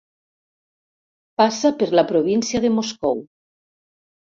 Passa per la província de Moscou.